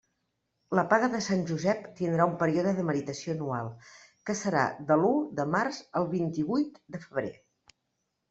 La paga de Sant Josep tindrà un període de meritació anual, que serà de l'u de març al vint-i-huit de febrer.